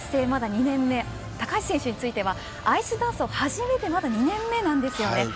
まだ２年目高橋選手についてはアイスダンスを始めてまだ２年目なんです。